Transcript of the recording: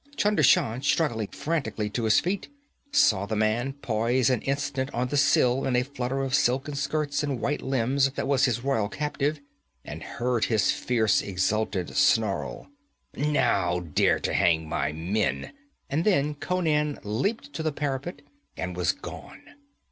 Chunder Shan, struggling frantically to his feet, saw the man poise an instant on the sill in a flutter of silken skirts and white limbs that was his royal captive, and heard his fierce, exultant snarl: 'Now dare to hang my men!' and then Conan leaped to the parapet and was gone.